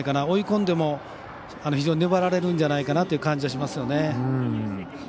追い込んでも粘られるんじゃないかなという感じがしますよね。